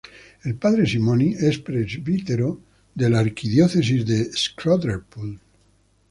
El padre Simoni es presbítero de la Archidiócesis de Shkodrë-Pult.